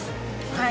はい。